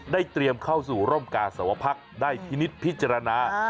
เตรียมเข้าสู่ร่มกาสวพักได้พินิษฐ์พิจารณา